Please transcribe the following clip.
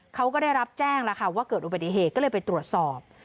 เขาก็ได้รับแจ้งแล้วค่ะว่าเกิดอุบัติเหตุก็เลยไปตรวจสอบ